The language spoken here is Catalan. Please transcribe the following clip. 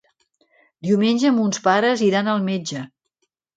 Diumenge mons pares iran al metge.